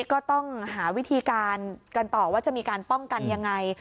ก็ต้องหาวิธีการกันต่อว่าจะมีการป้องกันยังไง